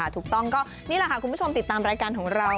ถูกต้องก็นี่แหละค่ะคุณผู้ชมติดตามรายการของเรา